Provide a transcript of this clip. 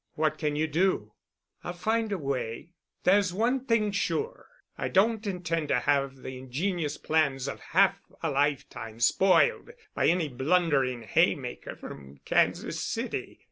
"What can you do?" "I'll find a way. There's one thing sure. I don't intend to have the ingenious plans of half a lifetime spoiled by any blundering hay maker from Kansas City.